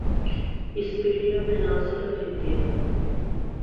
اس video میں نہ صرف ان دونوں